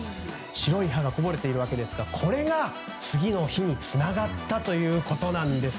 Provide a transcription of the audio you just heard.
白い歯がこぼれているわけですがこれが次の日につながったということです。